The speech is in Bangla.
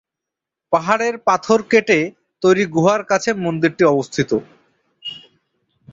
পাহাড়ের পাথর কেটে তৈরি গুহার কাছে মন্দিরটি অবস্থিত।